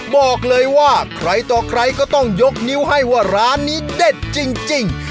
บอกเลยว่าใครต่อใครก็ต้องยกนิ้วให้ว่าร้านนี้เด็ดจริง